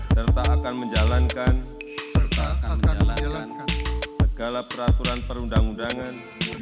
serta akan menjalankan segala peraturan perundang undangan